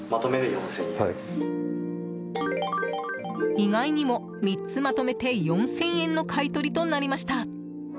意外にも、３つまとめて４０００円の買い取りとなりました。